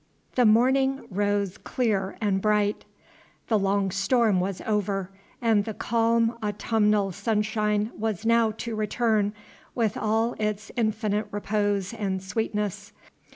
The morning rose clear and bright. The long storm was over, and the calm autumnal sunshine was now to return, with all its infinite repose and sweetness.